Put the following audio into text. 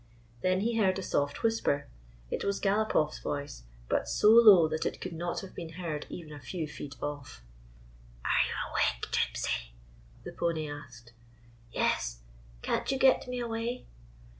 Then he heard a soft whisper. It was Gal opoff's voice, but so low that it could not have been heard even a few feet off. "Are you awake, Gypsy ?" the pony asked. " Yes. Can't you get me away?"